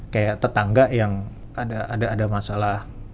kayak tetangga yang ada masalah